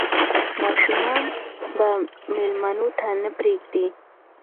ماشومان به مېلمنو ته نه پرېږدي.